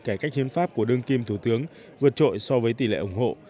cải cách hiến pháp của đương kim thủ tướng vượt trội so với tỷ lệ ủng hộ